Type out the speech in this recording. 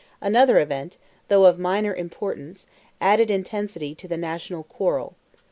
Another event, though of minor importance, added intensity to the national quarrel.